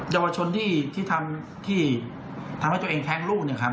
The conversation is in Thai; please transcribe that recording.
ยาวชนที่ทำที่ทำให้ตัวเองแท้งลูกเนี่ยครับ